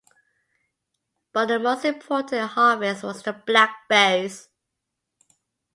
But the most important harvest was the blackberries.